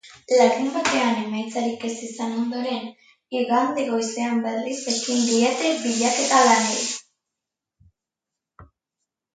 Larunbatean emaitzarik ez izan ondoren, igande goizean berriz ekin diete bilaketa lanei.